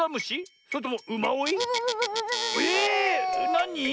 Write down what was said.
なに？